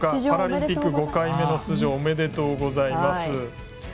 パラリンピック５回目の出場おめでとうございます。